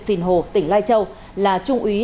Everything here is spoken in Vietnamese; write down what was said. sìn hồ tỉnh lai châu là trung úy